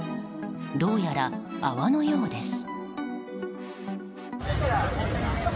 どうやら泡のようです。